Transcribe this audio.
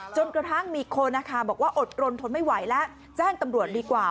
จนกระทั่งมีคนนะคะบอกว่าอดรนทนไม่ไหวแล้วแจ้งตำรวจดีกว่า